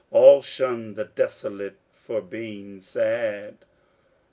All shun the desolate for being sad.